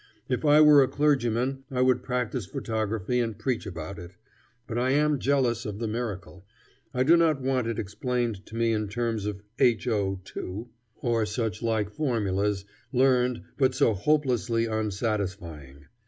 If I were a clergyman I would practise photography and preach about it. But I am jealous of the miracle. I do not want it explained to me in terms of HO(2) or such like formulas, learned, but so hopelessly unsatisfying.